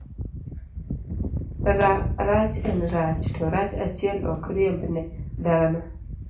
Rach en rach, to rach achiel ok riembne dhano.